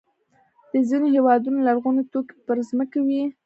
د ځینو هېوادونو لرغوني توکي پر ځمکې وي.